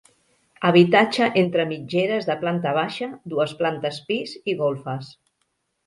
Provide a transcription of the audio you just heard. Habitatge entre mitgeres de planta baixa, dues plantes pis i golfes.